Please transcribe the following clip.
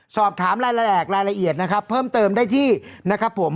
สอบถามรายละเอียดรายละเอียดนะครับเพิ่มเติมได้ที่นะครับผม